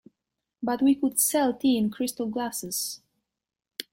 But we could sell tea in crystal glasses.